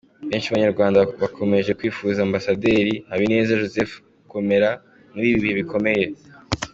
Benshi mu banyarwanda bakomeje kwifuriza ambasaderi Habineza Joseph gukomera muri ibihe bikomeye.